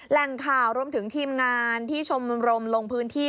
แหล่งข่าวรวมถึงทีมงานที่ชมรมลงพื้นที่